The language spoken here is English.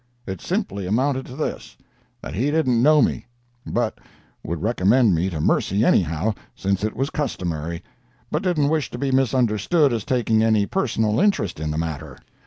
It simply amounted to this, that he didn't know me, but would recommend me to mercy, anyhow, since it was customary, but didn't wish to be misunderstood as taking any personal interest in the matter."